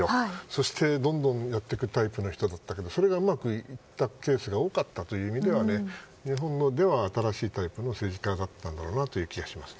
そして、どんどんやっていくタイプの人だったけどそれが、うまくいったケースが多かったのは日本では新しいタイプの政治家だったと思います。